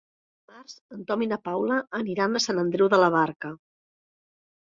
Dimarts en Tom i na Paula aniran a Sant Andreu de la Barca.